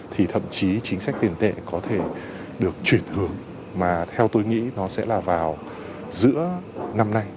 thì thậm chí chính sách tiền tệ có thể được chuyển hướng mà theo tôi nghĩ nó sẽ là vào giữa năm nay